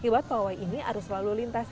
akibat pawai ini arus lalu lintas